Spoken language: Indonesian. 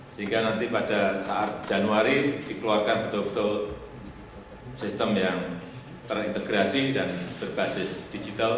sehingga nanti pada saat januari dikeluarkan betul betul sistem yang terintegrasi dan berbasis digital